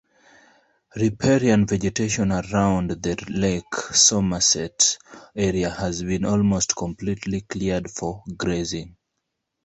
Riparian vegetation around the Lake Somerset area have been almost completely cleared for grazing.